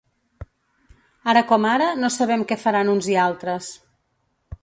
Ara com ara, no sabem què faran uns i altres.